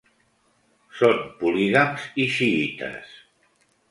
Són polígams i xiïtes.